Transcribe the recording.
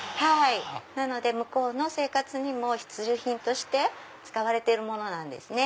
なので向こうの生活にも必需品として使われてるものなんですね。